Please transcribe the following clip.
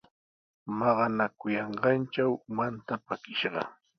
Maqanakuyanqantraw umanta pakiyashqa.